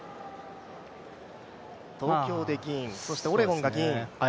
東京で銀、そしてオレゴンが銀。